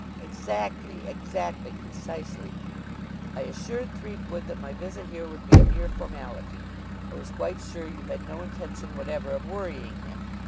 "Exactly exactly; precisely! I assured Threepwood that my visit here would be a mere formality. I was quite sure you had no intention whatever of worrying him.